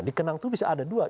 dikenang itu bisa ada dua